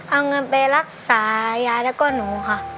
เอาเงินไปรักษายายแล้วก็หนูค่ะ